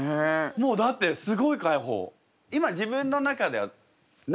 もうだってすごい解放。